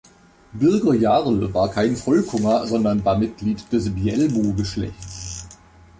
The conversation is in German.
Birger Jarl war kein Folkunger, sondern war Mitglied des Bjälbo-Geschlechtes.